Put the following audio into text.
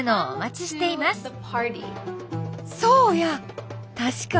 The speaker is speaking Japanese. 「お待ちしてます」